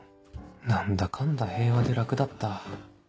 何だかんだ平和で楽だった